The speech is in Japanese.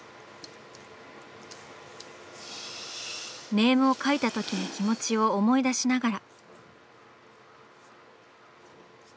ネームを描いたときの気持ちを思い出しながら。